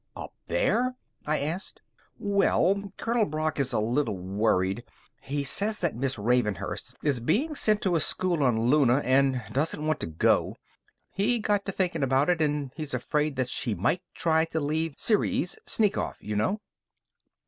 "Up there?" I asked. "Well, Colonel Brock is a little worried. He says that Miss Ravenhurst is being sent to a school on Luna and doesn't want to go. He got to thinking about it, and he's afraid that she might try to leave Ceres sneak off you know."